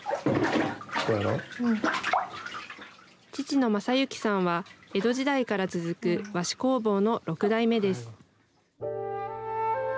父の正行さんは、江戸時代から続く和紙工房の６代目です。